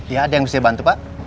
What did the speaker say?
ya ada yang bisa bantu pak